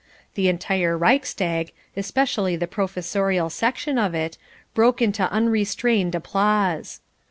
The entire Reichstag, especially the professorial section of it, broke into unrestrained applause.